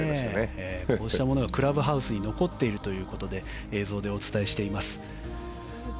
クラブハウスに残っているということで映像でお伝えしています。